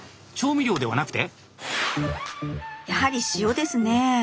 やはり塩ですね。